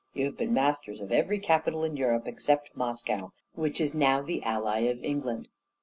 you have been masters of every capital in Europe, except Moscow, which is now the ally of England.